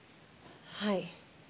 はい。